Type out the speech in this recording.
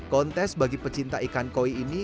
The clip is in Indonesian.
kontes bagi pecinta ikan koi ini